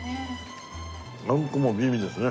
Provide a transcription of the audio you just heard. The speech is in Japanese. あんこも美味ですね。